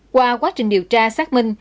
qua quá trình điều trị